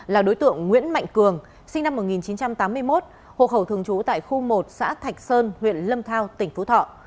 là đối tượng nguyễn mạnh cường sinh năm một nghìn chín trăm tám mươi một hộ khẩu thường trú tại khu một xã thạch sơn huyện lâm thao tỉnh phú thọ